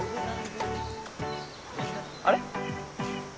あれ？